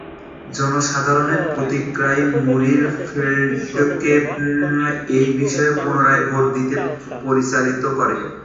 জনসাধারণের প্রতিক্রিয়া মুইরফিল্ডকে এই বিষয়ে পুনরায় ভোট দিতে পরিচালিত করে।